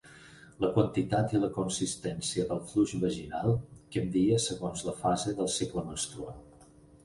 La quantitat i la consistència del fluix vaginal canvia segons la fase del cicle menstrual.